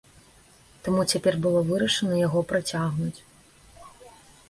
Таму цяпер было вырашана яго працягнуць.